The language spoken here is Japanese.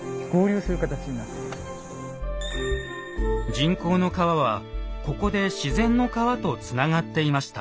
人工の川はここで自然の川とつながっていました。